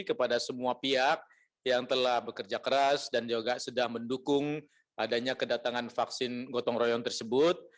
kepada semua pihak yang telah bekerja keras dan juga sudah mendukung adanya kedatangan vaksin gotong royong tersebut